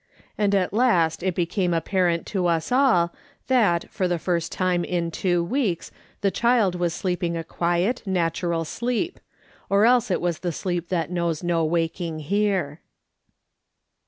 And at last it became apparent to us all tliat for the first time in two weeks the child was sleeping a quiet, natural sleep, or else it was the sleep that knows no waking here.